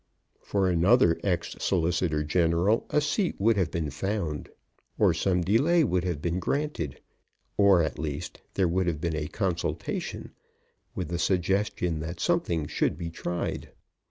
For another ex Solicitor General a seat would have been found, or some delay would have been granted, or at least there would have been a consultation, with a suggestion that something should be tried.